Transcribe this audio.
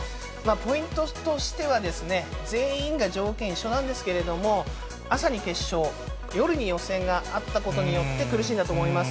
ポイントとしては、全員が条件一緒なんですけれども、朝に決勝、夜に予選があったことによって、苦しんだと思います。